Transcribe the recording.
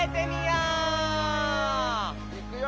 いくよ。